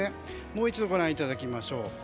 もう一度ご覧いただきましょう。